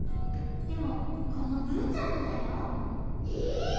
でもこのブーちゃんもだよ。えっ？